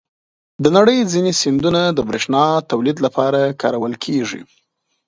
د نړۍ ځینې سیندونه د بریښنا تولید لپاره کارول کېږي.